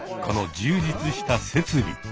この充実した設備。